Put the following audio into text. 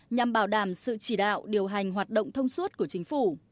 nhằm bảo đảm sự chỉ đạo điều hành hoạt động thông suốt của chính phủ